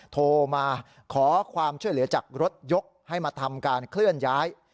โทรมาขอความช่วยเหลือจากรถยกให้มาทำการเคลื่อนย้าย